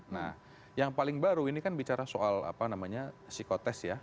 nah yang paling baru ini kan bicara soal apa namanya psikotest ya